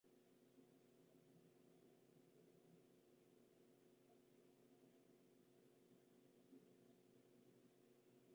Pertenece a la Confederación Hidrográfica del Tajo y es una subcuenca del río Tajo.